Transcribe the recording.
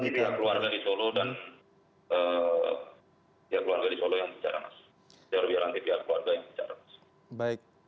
tentang pihak keluarga di solo dan